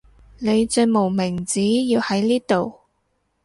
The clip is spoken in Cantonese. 你隻無名指要喺呢度